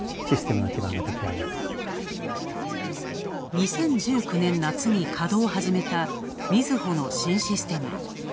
２０１９年夏に稼働を始めた、みずほの新システム。